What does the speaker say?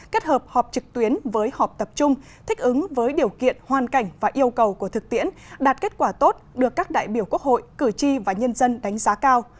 kết hợp họp trực tuyến với họp tập trung thích ứng với điều kiện hoàn cảnh và yêu cầu của thực tiễn đạt kết quả tốt được các đại biểu quốc hội cử tri và nhân dân đánh giá cao